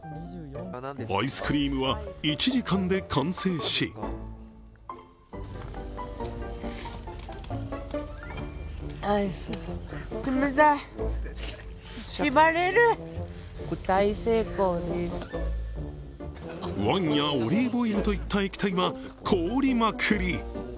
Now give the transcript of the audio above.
アイスクリームは１時間で完成しワインやオリーブオイルといった液体は凍りまくり。